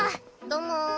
どうも。